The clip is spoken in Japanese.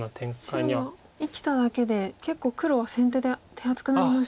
白は生きただけで結構黒は先手で手厚くなりましたか。